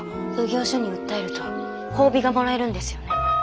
奉行所に訴えると褒美がもらえるんですよね？